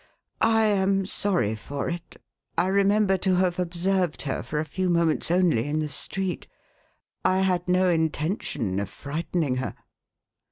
" I am sorry for it. I remember to have observed her, for a few moments only, in the street. I had no intention of frightening her."